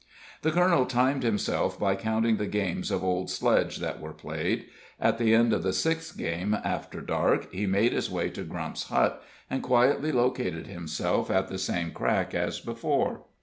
The colonel timed himself by counting the games of old sledge that were played. At the end of the sixth game after dark he made his way to Grump's hut and quietly located himself at the same crack as before.